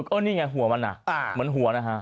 ก็นี่ไงหัวมันอ่ะเหมือนหัวนะฮะ